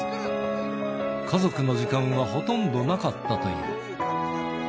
家族の時間はほとんどなかったという。